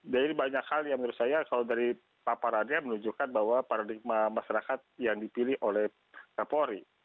jadi banyak hal yang menurut saya kalau dari paparannya menunjukkan bahwa paradigma masyarakat yang dipilih oleh kapolri